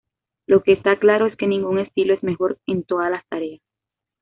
Lo que está claro es que ningún estilo es mejor en todas las tareas.